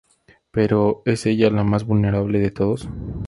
Pero, ¿es ella la más vulnerable de todos?